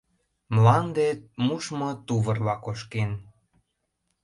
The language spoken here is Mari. Мланде мушмо тувырла кошкен.